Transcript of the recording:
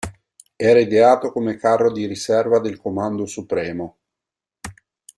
Era ideato come carro di riserva del Comando supremo.